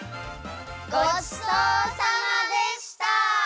ごちそうさまでした！